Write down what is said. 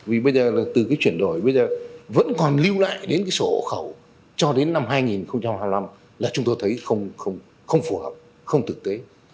vì bây giờ là từ cái chuyển đổi bây giờ vẫn còn lưu lại đến cái sổ khẩu cho đến năm hai nghìn hai mươi năm là chúng tôi thấy không phù hợp không thực tế